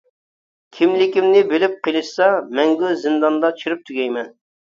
كىملىكىمنى بىلىپ قېلىشسا، مەڭگۈ زىنداندا چىرىپ تۈگەيمەن.